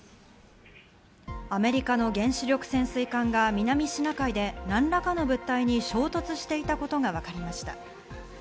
アメリカの原子力潜水艦が南シナ海で何らかの物体に衝突していたことがわかりました。